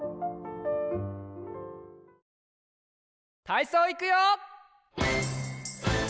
たいそういくよ！